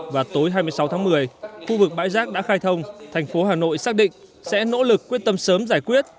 và tối hai mươi sáu tháng một mươi khu vực bãi rác đã khai thông thành phố hà nội xác định sẽ nỗ lực quyết tâm sớm giải quyết